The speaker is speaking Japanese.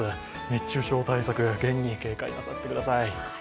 熱中症対策、警戒なさってください